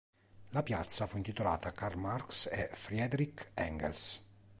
La piazza fu intitolata a Karl Marx e Friedrich Engels.